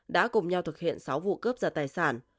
đã cùng nhau thực hiện sáu vụ cướp giật tài sản